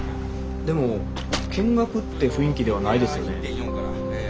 でも見学って雰囲気ではないですよね。